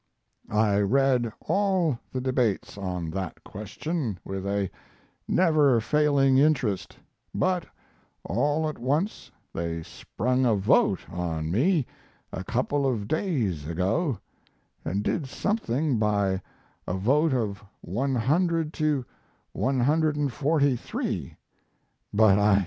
I read all the debates on that question with a never failing interest, but all at once they sprung a vote on me a couple of days ago & did something by a vote of 100 to 143, but I couldn't find out what it was.